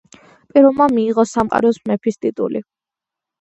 პირველმა მიიღო „სამყაროს მეფის“ ტიტული.